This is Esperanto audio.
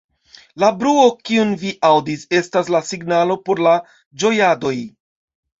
La bruo, kiun vi aŭdis, estas la signalo por la ĝojadoj.